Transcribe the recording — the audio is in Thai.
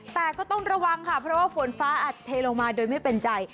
แต่ก็ต้องระวังค่ะเพราะว่าฝนฟ้าอัดเทลงมาโดยไม่เป็นใจ